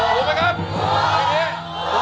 ถูกไหมครับ